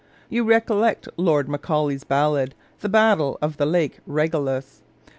You recollect Lord Macaulay's ballad, "The Battle of the Lake Regillus"?